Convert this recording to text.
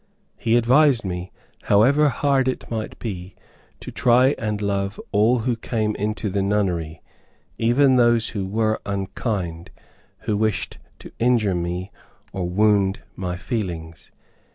He advised me, however hard it might be, to try and love all who came into the nunnery, even those who were unkind, who wished to injure me or wound my feelings.